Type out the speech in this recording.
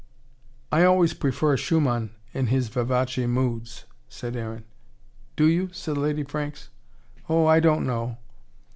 "I always prefer Schumann in his vivace moods," said Aaron. "Do you?" said Lady Franks. "Oh, I don't know."